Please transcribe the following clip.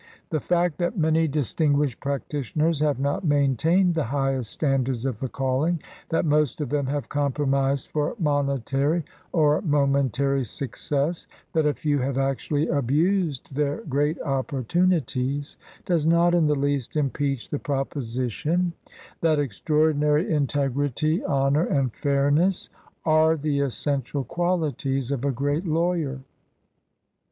The fact that many distinguished practitioners have not maintained the highest standards of the calling, that most of them have compromised for monetary or mo mentary success, that a few have actually abused their great opportunities, does not in the least impeach the proposition that extraordinary in tegrity, honor, and fairness are the essential qualities of a great lawyer.